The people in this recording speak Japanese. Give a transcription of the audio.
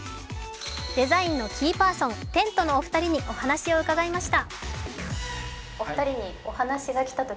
デザインのキーパーソン、ＴＥＮＴのお二人にお話を伺いました。